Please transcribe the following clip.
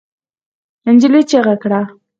نجلۍ چيغه کړه.